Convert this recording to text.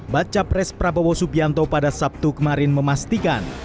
baca pres prabowo subianto pada sabtu kemarin memastikan